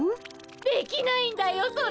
できないんだよそれが。